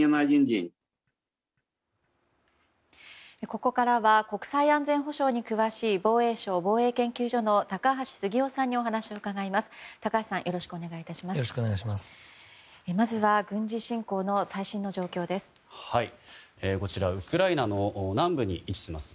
ここからは国際安全保障に詳しい防衛省防衛研究所の高橋杉雄さんにお話を伺います。